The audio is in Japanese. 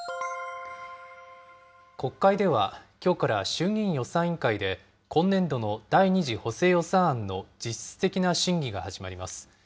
国会では、きょうから衆議院予算委員会で今年度の第２次補正予算案の実質的な審議が始まります。